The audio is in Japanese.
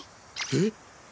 えっ？